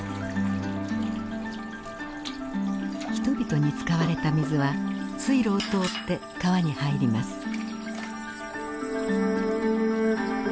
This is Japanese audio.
人々に使われた水は水路を通って川に入ります。